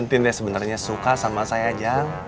ntinte sebenernya suka sama saya jang